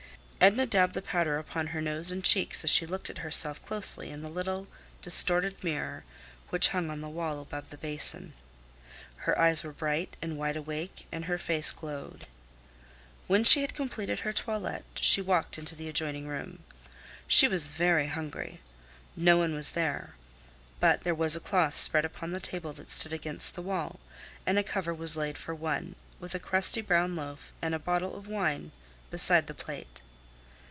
Edna dabbed the powder upon her nose and cheeks as she looked at herself closely in the little distorted mirror which hung on the wall above the basin. Her eyes were bright and wide awake and her face glowed. When she had completed her toilet she walked into the adjoining room. She was very hungry. No one was there. But there was a cloth spread upon the table that stood against the wall, and a cover was laid for one, with a crusty brown loaf and a bottle of wine beside the plate.